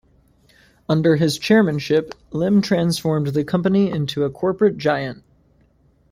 Under his chairmanship, Lim transformed the company into a corporate giant.